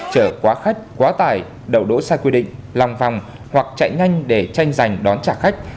chở quá khách quá tải đầu đỗ sai quy định lòng vòng hoặc chạy nhanh để tranh giành đón trả khách